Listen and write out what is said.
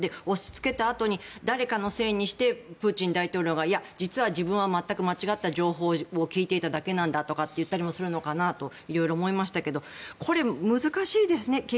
押しつけたあとに誰かのせいにしてプーチン大統領がいや、実は自分は全く間違った情報を聞いていたんだと言ったりもするのかなと色々思いましたがこれ、難しいですね。